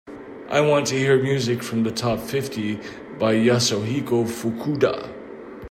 I want to hear music from the top fifty by Yasuhiko Fukuda